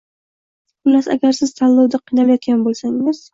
Xullas, agar siz tanlovda qiynalayotgan bo‘lsangiz